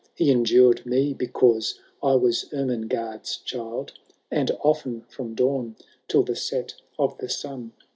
He endured me because I was Ermen^mie's child. And often from dawn till the set of the sun.